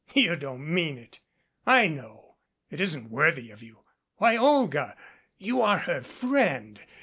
"You don't mean it, I know. It isn't worthy of you. Why, Olga, you are her friend.